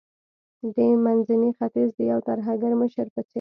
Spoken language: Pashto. د منځني ختیځ د یو ترهګر مشر په څیر